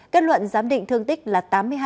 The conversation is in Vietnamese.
kết luận giám định thương tích là tám mươi hai